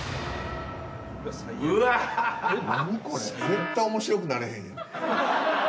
絶対面白くなれへんやん。